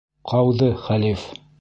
Ҡауҙы хәлиф